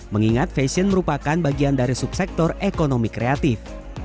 mengingat fashion merupakan bagian dari subsektor ekonomi kreatif